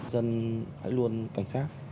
dân hãy luôn cảnh sát